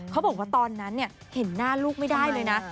เขาบอกว่าตอนนั้นเห็นหน้าลูกไม่ได้เลยนะ